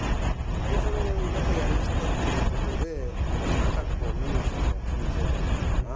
でそれをやっぱりやりきったということでなんかこう見る人の緊張感っていうかな